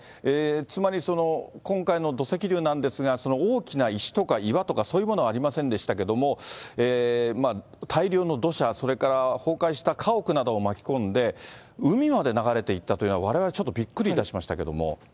つまり今回の土石流なんですが、大きな石とか岩とかそういうものはありませんでしたけれども、大量の土砂、それから崩壊した家屋などを巻き込んで、海まで流れていったというのは、われわれちょっとびっくりいたしましたけども。